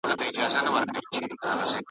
خو د زړه مطلب یې بل وي بل څه غواړي .